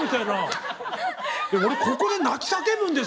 「俺ここで泣き叫ぶんですか？」